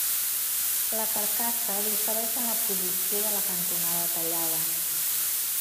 La carcassa difereix en la posició de la cantonada tallada.